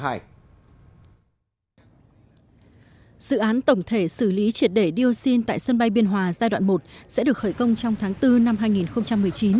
dự án tổng thể xử lý triệt để dioxin tại sân bay biên hòa giai đoạn một sẽ được khởi công trong tháng bốn năm hai nghìn một mươi chín